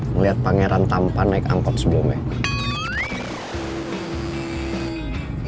ngeliat pangeran tampa naik angkot sebelumnya